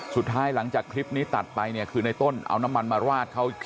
หลังจากคลิปนี้ตัดไปเนี่ยคือในต้นเอาน้ำมันมาราดเขา